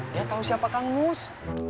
dia tahu siapa kangmus